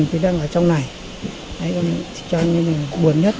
cùng các ông bà